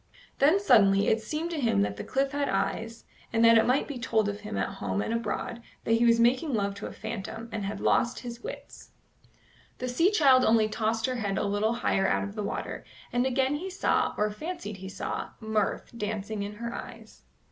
Then suddenly it seemed to him that the cliff had eyes, and that it might be told of him at home and abroad that he was making love to a phantom, and had lost his wits. The sea child only tossed her head a little higher out of the water, and again he saw, or fancied he saw, mirth dancing in her eyes.